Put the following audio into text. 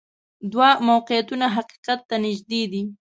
دوه موقعیتونه حقیقت ته نږدې دي.